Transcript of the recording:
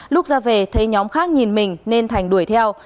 lúc ra về thấy nhóm khác nhìn mình nên thành đuổi theo